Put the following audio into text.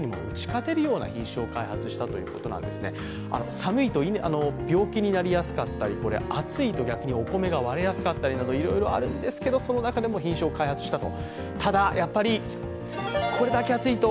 寒いと病気になりやすかったり暑いと逆にお米が割れやすかったり、いろいろあるんですけど、その中でも品種を開発したと。